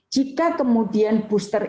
jika kemudian booster